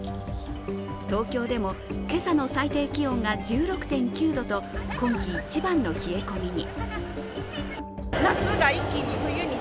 東京でも今朝の最低気温が１６．９度と今季一番の冷え込みに。